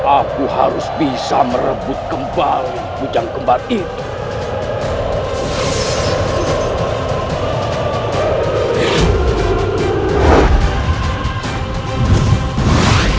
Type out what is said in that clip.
aku harus bisa merebut kembali ujang kembal itu